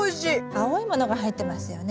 青いものが入ってますよね。